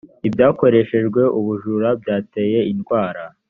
ibyakoreshejwe ubujura byateye indwara